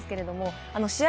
試合